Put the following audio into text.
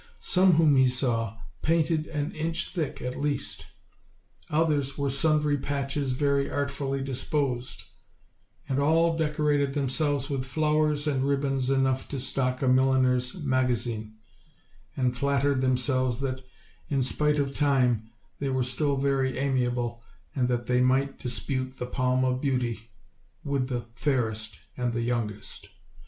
Some, whom he saw, painted an inch thick, at least; others wore sundry patches very artfully disposed; and all decorated themselves with flowers and ribbons enough to stock a milliner's magazin, and flattered themselves that, in spite of time, they were still very amiable, and that they might dispute the palm of beauty with the fairest and the youngest.